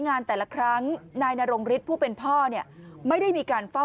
โอนสะดวกเลยที่นี้